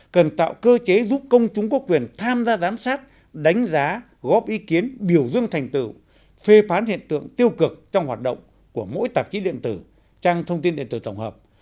cần tạo cơ chế giúp công chúng có quyền tham gia giám sát đánh giá góp ý kiến biểu dương thành tựu phê phán hiện tượng tiêu cực trong hoạt động của mỗi tạp chí điện tử trang thông tin điện tử tổng hợp